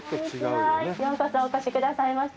ようこそお越しくださいました。